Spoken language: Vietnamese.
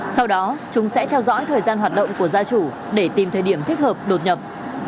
sau đó chúng sẽ theo dõi thời gian hoạt động của gia chủ để tìm thời điểm thích hợp đột nhập